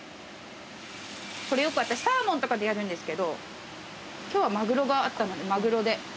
これよく私サーモンとかでやるんですけど今日はマグロがあったのでマグロで。